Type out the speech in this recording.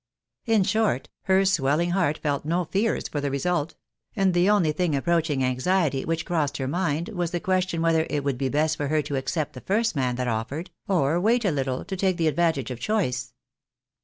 In short, her swelUng heart felt no fears for the result ; and the only thing approaching anxiety which crossed her mind was the question whether it w^ould be best for her to accept the first man that offered, or wait a little to take the advantage of choice.